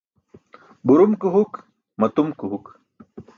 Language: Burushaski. Burum ke huk, matum ke huk.